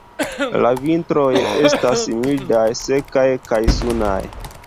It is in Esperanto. La vintroj estas mildaj, sekaj kaj sunaj.